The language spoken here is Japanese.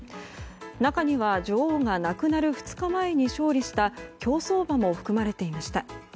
中には女王が亡くなる２日前に勝利した競走馬も含まれていました。